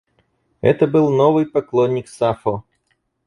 Это был новый поклонник Сафо.